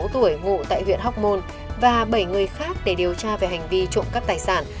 sáu mươi tuổi ngụ tại huyện hóc môn và bảy người khác để điều tra về hành vi trộm cắp tài sản